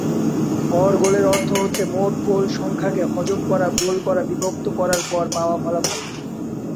গড় গোলের অর্থ হচ্ছে মোট গোল সংখ্যাকে হজম করা গোল করা বিভক্ত করার পর পাওয়া ফলাফল।